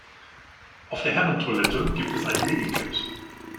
Auf der Herren-Toilette gibt es ein Medi-Kit.